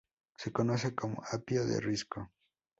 Se conoce como "apio de risco".